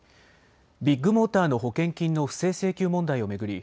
ビッグモーターの保険金の不正請求問題を巡り